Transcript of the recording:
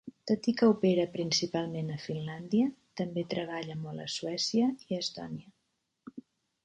Tot i que opera principalment a Finlàndia, també treballa molt a Suècia i Estònia.